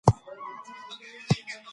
دا پروسه په ټولنه کې راتلونکی باور تضمینوي.